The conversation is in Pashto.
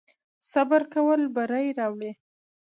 صبر کول بری راوړي